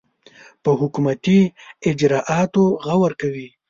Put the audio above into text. پر حکومتي اجرآتو غور کوي.